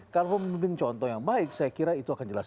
kalau pemimpin contoh yang baik saya kira itu akan jelas